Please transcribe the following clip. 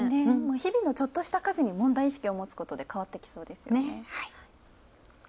日々のちょっとした家事に問題意識を持つことで変わってきそうですよね。